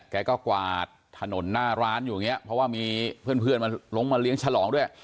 แกก็กวาดถนนหน้าร้านอยู่อย่างเงี้ยเพราะว่ามีเพื่อนเพื่อนมาลงมาเลี้ยงฉลองด้วย